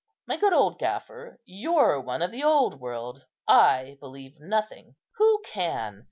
My good old gaffer, you're one of the old world. I believe nothing. Who can?